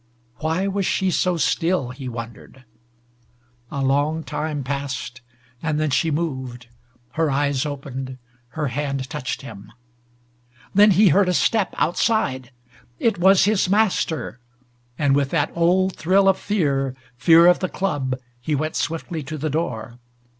Why was she so still, he wondered? A long time passed, and then she moved. Her eyes opened. Her hand touched him. Then he heard a step outside. It was his master, and with that old thrill of fear fear of the club he went swiftly to the door.